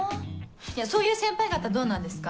そういう先輩方どうなんですか？